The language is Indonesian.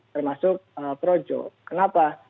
termasuk projo kenapa